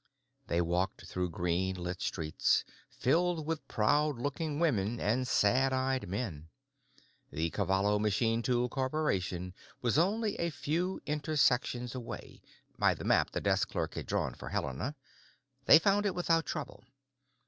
They walked through green lit streets, filled with proud looking women and sad eyed men. The Cavallo Machine Tool Corporation was only a few intersections away, by the map the desk clerk had drawn for Helena; they found it without trouble.